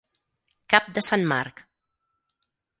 Cap de sant Marc.